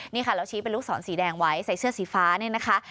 นี่ค่ะแล้วชี้เป็นลูกศรสีแดงไว้ใส่เสื้อสีฟ้าเนี่ยนะคะ